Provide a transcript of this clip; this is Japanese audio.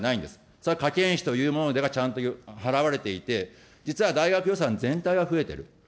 それは科研費というものがちゃんと払われていて、実は大学予算全体は増えている。